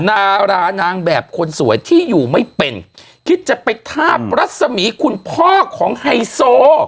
ดารานางแบบคนสวยที่อยู่ไม่เป็นคิดจะไปทาบรัศมีคุณพ่อของไฮโซ